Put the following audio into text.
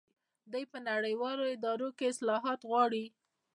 دوی په نړیوالو ادارو کې اصلاحات غواړي.